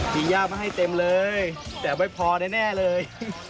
อย่ามาให้เต็มเลยแต่ไม่พอแน่เลย